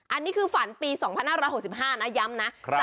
อันนี้คือฝันปี๒๕๖๕นะย้ำนะ